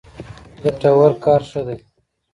ګټور کار ښه دی.